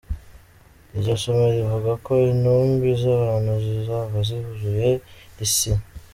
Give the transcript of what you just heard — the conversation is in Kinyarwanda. Iryo somo rivuga ko intumbi z’abantu zizaba zuzuye isi.